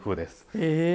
へえ。